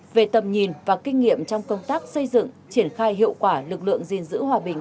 về tầm nhìn và kinh nghiệm trong công tác xây dựng triển khai hiệu quả lực lượng gìn giữ hòa bình